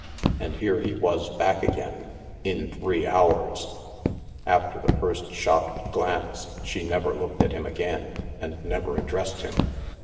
And here he was back again, in three hours ! After the first shocked glance, she never looked at him again, and never addressed him.